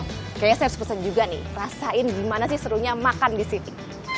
kayaknya saya harus pesen juga nih rasain gimana sih serunya makan di sini